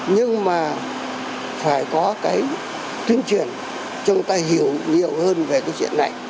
nhưng mà phải có cái tuyên truyền cho người ta hiểu nhiều hơn về cái chuyện này